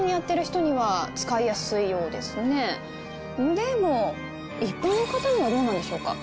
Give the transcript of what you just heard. でも一般の方にはどうなんでしょうか？